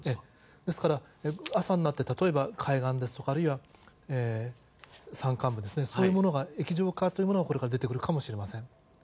ですから、朝になって海岸ですとかあるいは山間部ですねそういう液状化というのが出てくるかもしれません。